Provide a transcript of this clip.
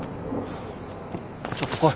ちょっと来い。